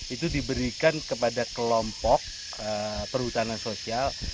itu diberikan kepada kelompok perhutanan sosial